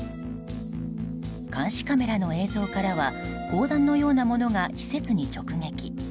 監視カメラの映像からは砲弾のようなものが施設に直撃。